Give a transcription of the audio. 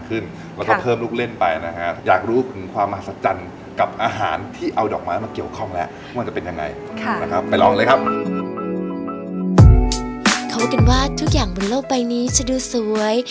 เขากันว่าทุกอย่างบนโลกใบนี้จะดูสวย